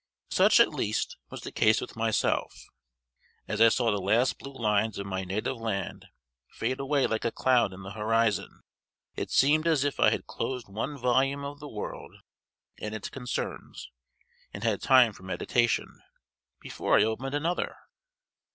Such, at least, was the case with myself. As I saw the last blue lines of my native land fade away like a cloud in the horizon, it seemed as if I had closed one volume of the world and its concerns, and had time for meditation, before I opened another.